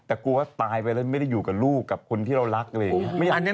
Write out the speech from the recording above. แต่กลัวว่าตายไปแล้วไม่ได้อยู่กับลูกกับคนที่เรารักอะไรอย่างนี้